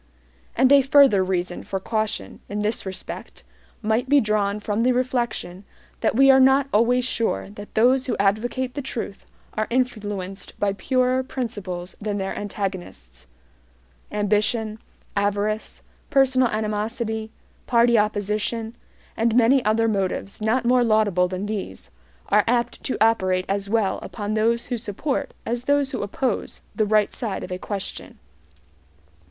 And a further reason for caution, in this respect, might be drawn from the reflection that we are not always sure that those who advocate the truth are influenced by purer principles than their antagonists. Ambition, avarice, personal animosity, party opposition, and many other motives not more laudable than these, are apt to operate as well upon those who support as those who oppose the right side of a question.